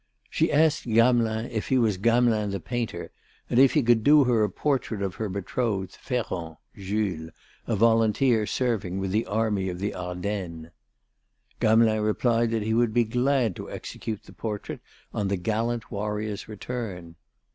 She asked Gamelin if he was Gamelin the painter and if he could do her a portrait of her betrothed, Ferrand (Jules), a volunteer serving with the Army of the Ardennes. Gamelin replied that he would be glad to execute the portrait on the gallant warrior's return.